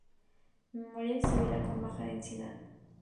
Memoria distribuida con baja densidad